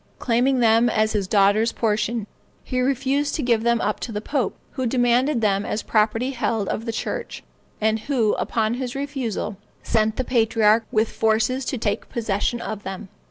Claiming them as his daughter's portion, he refused to give them up to the pope, who demanded them as property held of the church, and who, upon his refusal, sent the patriarch with forces to take possession of them.